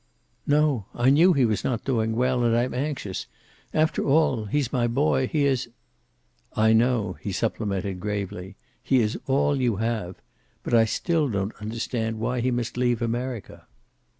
"No. I knew he was not doing well. And I'm anxious. After all, he's my boy. He is " "I know," he supplemented gravely. "He is all you have. But I still don't understand why he must leave America."